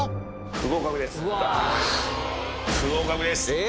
不合格です